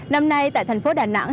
năm nay tại thành phố đà nẵng